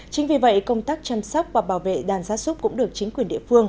chính vì vậy công tác chăm sóc và bảo vệ đàn gia súc cũng được chính quyền địa phương